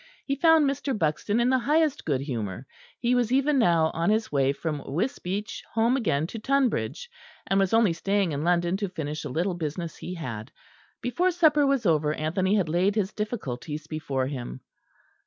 He found Mr. Buxton in the highest good humour; he was even now on his way from Wisbeach, home again to Tonbridge, and was only staying in London to finish a little business he had. Before supper was over, Anthony had laid his difficulties before him.